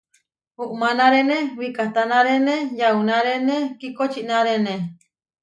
Umánarene wikahtánarene yaunárene kikočinaréne.